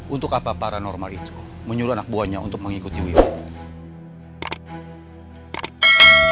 untuk apa paranormal itu menyuruh anak buahnya untuk mengikuti win